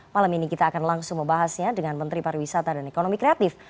malam ini kita akan langsung membahasnya dengan menteri pariwisata dan ekonomi kreatif